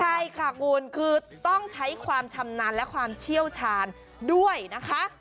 ใช่ค่ะคุณคือต้องใช้ความชำนาญและความเชี่ยวชาญด้วยนะคะ